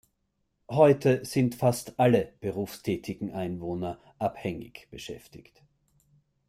Heute sind fast alle berufstätigen Einwohner abhängig beschäftigt.